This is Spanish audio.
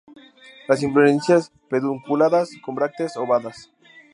Las inflorescencias pedunculadas con brácteas ovadas.